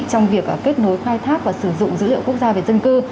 trong việc kết nối khai thác và sử dụng dữ liệu quốc gia về dân cư